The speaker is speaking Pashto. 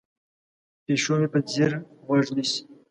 پیشو مې په ځیر غوږ نیسي.